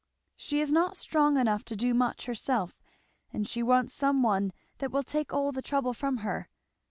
"She is not strong enough to do much herself, and she wants some one that will take all the trouble from her.